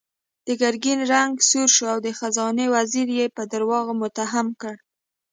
د ګرګين رنګ سور شو او د خزانې وزير يې په دروغو متهم کړ.